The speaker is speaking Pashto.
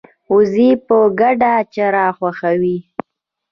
وزې په ګډه چرا خوښوي